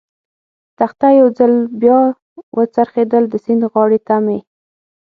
تخته یو ځل بیا و څرخېدل، د سیند غاړې ته مې.